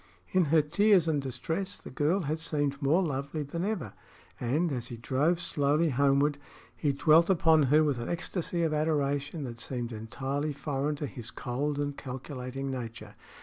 In her tears and distress the girl had seemed more lovely than ever, and, as he drove slowly homeward, he dwelt upon her with an ecstasy of adoration that seemed entirely foreign to his cold and calculating nature.